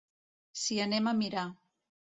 Si anem a mirar.